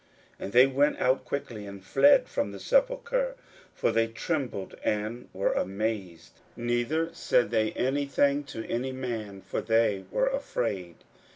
41:016:008 And they went out quickly, and fled from the sepulchre; for they trembled and were amazed: neither said they any thing to any man; for they were afraid.